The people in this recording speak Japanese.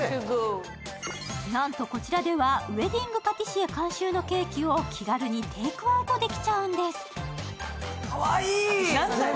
なんと、こちらではウエディングパティシエ監修のケーキを気軽にテイクアウトできちゃうんです。